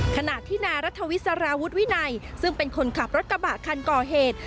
ขณะที่นายรัฐวิสารวุฒิวินัยซึ่งเป็นคนขับรถกระบะคันก่อเหตุ